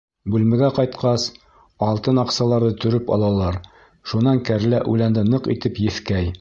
Бүлмәгә ҡайтҡас, алтын аҡсаларҙы төрөп алалар, шунан кәрлә үләнде ныҡ итеп еҫкәй.